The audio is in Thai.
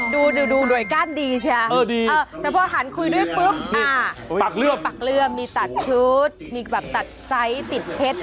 ดูดูก้านดีใช่ไหมแต่พอหันคุยด้วยปุ๊บปักเลื่อมีตัดชุดมีแบบตัดไซส์ติดเพชร